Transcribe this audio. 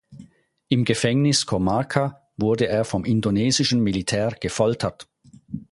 Im Gefängnis Comarca wurde er vom indonesischen Militär gefoltert.